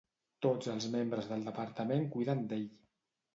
Tots els membres del departament cuiden d'ell.